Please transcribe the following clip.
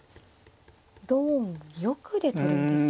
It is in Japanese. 同玉で取るんですか？